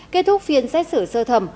kết thúc phiên xét xử sơ thẩm